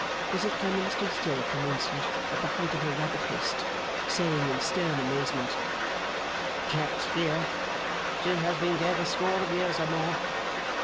Mrs Clennam stood still for an instant, at the height of her rapid haste, saying in stern amazement: 'Kept here? She has been dead a score of years or more.